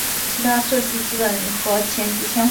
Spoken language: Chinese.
其他设计基本和前级相仿。